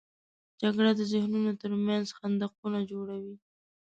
جګړه د ذهنونو تر منځ خندقونه جوړوي